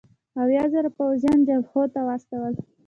اویا زره پوځیان جبهو ته واستول.